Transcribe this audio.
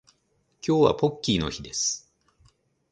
今日はポッキーの日です